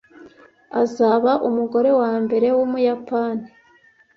Azaba umugore wambere wumuyapani.